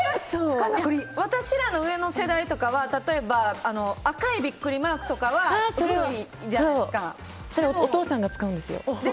私らの上の世代とかは例えば赤いビックリマークとかはそれお父さんが使うんですよ。